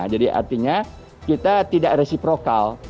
jadi artinya kita tidak resiprokal